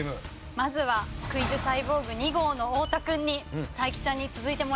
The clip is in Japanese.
まずはクイズサイボーグ２号の太田君に才木ちゃんに続いてもらおうと。